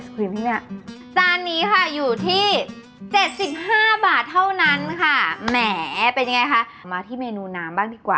กินที่นี่ค่ะอยู่ที่๗๕๑๕บาทเท่านั้นค่ะแหม่เป็นยังไงคือมาที่เมนูน้ำ